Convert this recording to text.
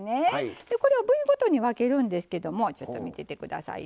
でこれを部位ごとに分けるんですけどもちょっと見ててくださいよ。